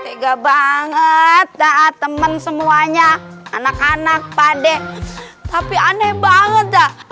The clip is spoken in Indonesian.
tega banget tak temen semuanya anak anak pade tapi aneh banget tak